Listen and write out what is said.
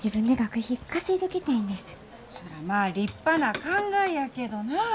そらまあ立派な考えやけどな。